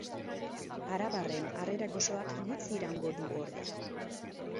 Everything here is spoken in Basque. Arabarren harrera goxoak gutxi iraungo du, ordea.